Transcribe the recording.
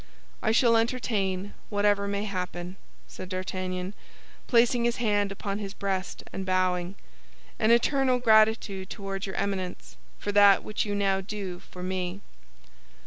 "I shall entertain, whatever may happen," said D'Artagnan, placing his hand upon his breast and bowing, "an eternal gratitude toward your Eminence for that which you now do for me."